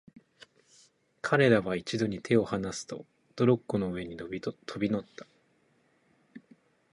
彼等は一度に手をはなすと、トロッコの上へ飛び乗った。